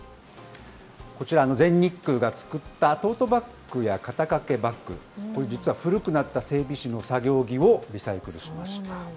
こちら、全日空が作ったトートバッグや肩掛けバッグ、これ実は、古くなった整備士の作業着をリサイクルしました。